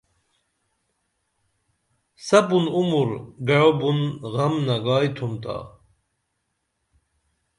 سپُن عمر گعئو بُن غم نگائی تُھم تا